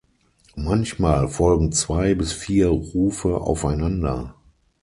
Manchmal folgen zwei bis vier Rufe aufeinander.